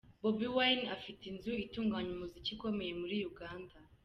Bobi Wine: afite inzu itunganya umuziki ikomeye muri Uganda.